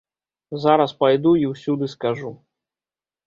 Зараз пайду і ўсюды скажу.